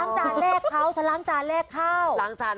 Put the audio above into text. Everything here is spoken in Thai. กับปล่อยให้ขัดหม้อ